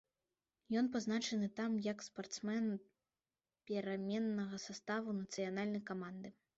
Ён пазначаны там як спартсмен пераменнага саставу нацыянальнай каманды.